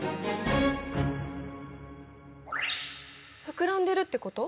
膨らんでるってこと？